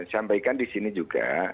sampaikan di sini juga